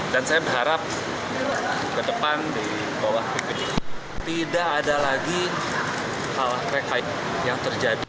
dan saya berharap ke depan di bawah ppk tidak ada lagi hal hal yang terjadi